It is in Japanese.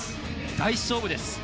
大勝負です。